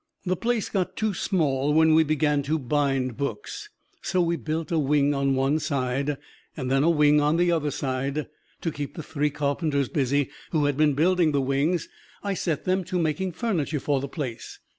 The place got too small when we began to bind books, so we built a wing on one side; then a wing on the other side. To keep the three carpenters busy who had been building the wings, I set them to making furniture for the place.